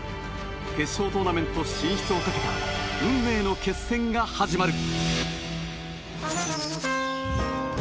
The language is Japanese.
決勝トーナメント進出をかけた運命の決戦が始まる。